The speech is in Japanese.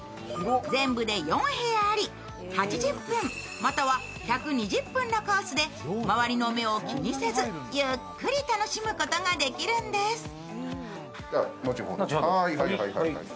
全部で４部屋あり、８０分、または１２０分のコースで周りの目を気にせずゆっくり楽しむことができるんです。